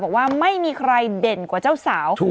บอกว่าไม่มีใครเด่นกว่าเจ้าสาว